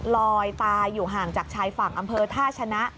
ลอยตายอยู่ห่างจากชายฝั่งอำเภอท่าชนะ